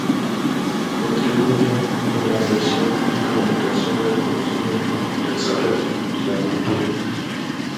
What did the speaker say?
Contribuye con la creación y comunicación del conocimiento, el saber y la cultura.